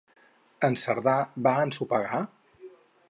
En Cerdà va ensopegar?